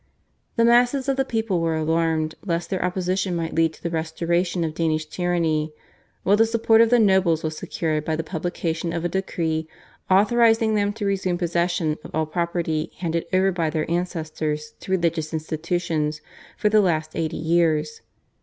The masses of the people were alarmed lest their opposition might lead to the restoration of Danish tyranny, while the support of the nobles was secured by the publication of a decree authorising them to resume possession of all property handed over by their ancestors to religious institutions for the last eighty years.